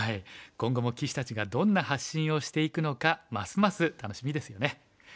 今後も棋士たちがどんな発信をしていくのかますます楽しみですよね。